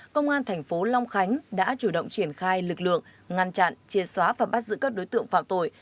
công an thành phố long khánh đã chủ động triển khai lực lượng ngăn chặn chia xóa và bắt giữ các đối tượng phạm tội